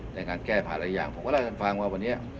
ในการแก้ผ่านอะไรอย่างผมก็เล่าให้ท่านฟังว่าวันนี้